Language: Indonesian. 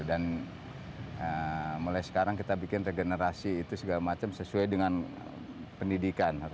dan mulai sekarang kita bikin regenerasi itu segala macam sesuai dengan pendidikan